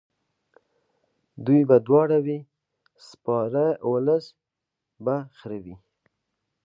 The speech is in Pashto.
دوی به دواړه وي سپاره اولس به خر وي.